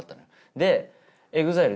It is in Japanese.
でＥＸＩＬＥ